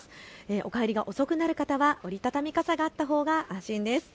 お帰りが遅くなる方は折り畳み傘があったほうが安心です。